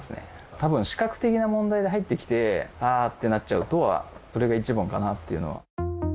たぶん視覚的な問題で入ってきてああってなっちゃうとそれが一番かなっていうのは。